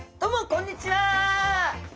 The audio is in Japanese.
こんにちは。